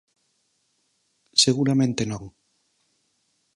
Seguramente non.